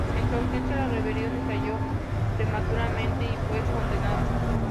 En su ausencia, la rebelión estalló prematuramente y fue condenado.